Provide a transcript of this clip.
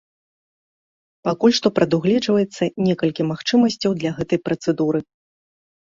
Пакуль што прадугледжваецца некалькі магчымасцяў для гэтай працэдуры.